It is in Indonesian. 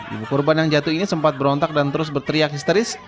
ibu korban yang jatuh ini sempat berontak dan terus berteriak histeris